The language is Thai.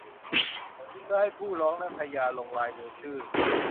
เพื่อให้ผู้ร้องและพยานลงลายมือชื่อ